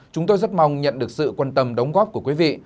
chúng tôi rất mong nhận được sự quan tâm đóng góp của quý vị